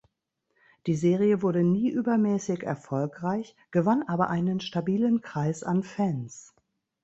Die Serie wurde nie übermäßig erfolgreich, gewann aber einen stabilen Kreis an Fans.